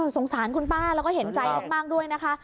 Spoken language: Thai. สงสารคุณป้าแล้วก็เห็นใจมากด้วยนะคะ